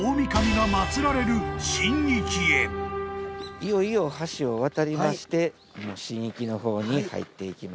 いよいよ橋を渡りまして神域の方に入っていきます。